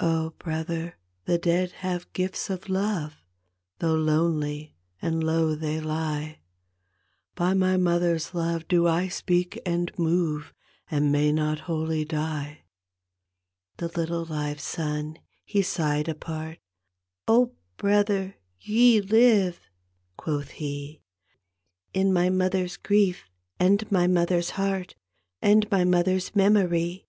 Oh, brother, the dead have gifts of love, Though lonely and low they lie, By my mother's love do I speak and move And may not wholly die." The litde live son he sighed apart, " Oh, brother, ye live," quoth he, " In my mother's grief and my mother's heart And my mother's memory.